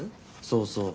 そうそう。